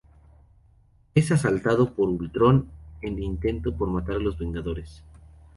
Es asaltado por Ultron en un intento por matar a los Vengadores.